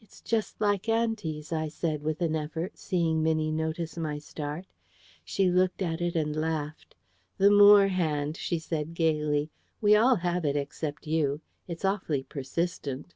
"It's just like auntie's," I said with an effort, seeing Minnie noticed my start. She looked at it and laughed. "The Moore hand," she said gaily. "We all have it, except you. It's awfully persistent."